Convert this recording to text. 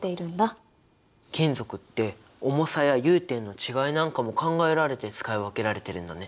金属って重さや融点の違いなんかも考えられて使い分けられてるんだね。